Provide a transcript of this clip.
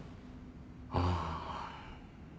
ああ。